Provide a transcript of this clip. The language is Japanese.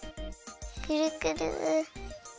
くるくる。